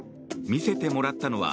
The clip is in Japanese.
見せてもらったのは